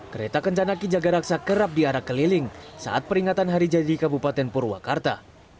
kereta kencana ki jaga raksa kerap diarak keliling saat peringatan hari jadi kabupaten purwakarta